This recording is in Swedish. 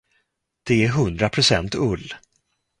Det är hundra procent ull.